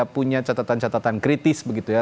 punya catatan catatan kritis begitu ya